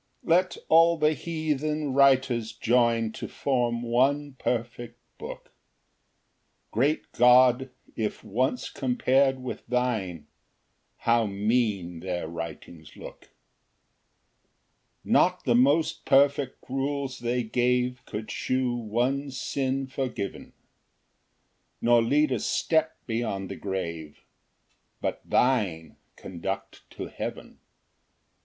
1 Let all the heathen writers join To form one perfect book, Great God, if once compar'd with thine, How mean their writings look! 2 Not the most perfect rules they gave Could shew one sin forgiven, Nor lead a step beyond the grave; But thine conduct to heaven.